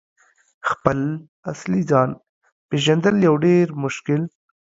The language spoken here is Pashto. » خپل اصلي ځان « پیژندل یو ډیر مشکل